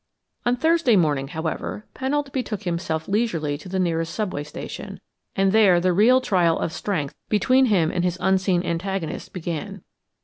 On Thursday morning, however, Pennold betook himself leisurely to the nearest subway station, and there the real trial of strength between him and his unseen antagonist began.